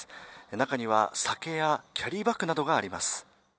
中には、酒やキャリーバッグなどがあります。